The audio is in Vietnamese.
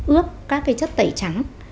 ướp các cái chất tẩy trắng